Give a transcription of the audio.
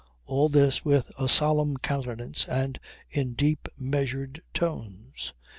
All this with a solemn countenance and in deep measured tones.